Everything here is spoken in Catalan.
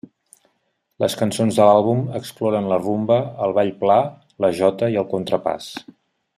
Les cançons de l'àlbum exploren la rumba, el ball pla, la jota i el contrapàs.